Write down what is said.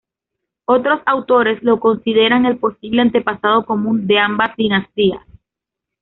Otros autores lo consideran el posible antepasado común de ambas dinastías.